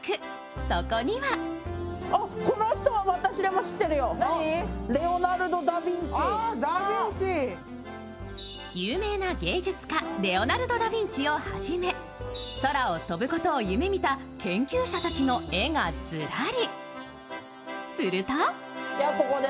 そこには有名な芸術家、レオナルド・ダ・ヴィンチをはじめ空を飛ぶことを夢見た研究者たちの絵がずらり。